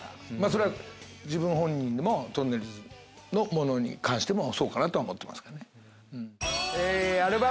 それは自分本人のもとんねるずのものに関してもそうかなとは思ってますね。